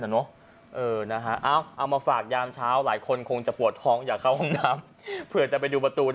นั่นสิ